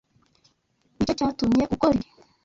Nicyo cyatumye ukora ibi?